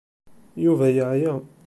Yuba yeɛya.